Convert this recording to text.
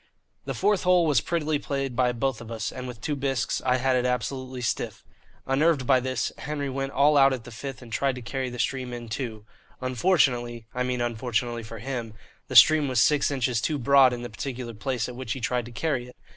The fourth hole was prettily played by both of us, and with two bisques I had it absolutely stiff. Unnerved by this, Henry went all out at the fifth and tried to carry the stream in two. Unfortunately (I mean unfortunately for him) the stream was six inches too broad in the particular place at which he tried to carry it.